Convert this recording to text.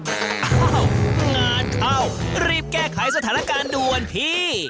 อ้าวงานเข้ารีบแก้ไขสถานการณ์ด่วนพี่